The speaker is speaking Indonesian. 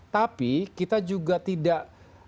tapi kita juga tidak